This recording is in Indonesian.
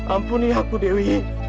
ampuni aku dewi